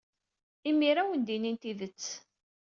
Imir-a ad awen-d-inin tidet.